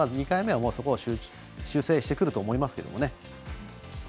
２回目はそこは修正してくると思いますけどね。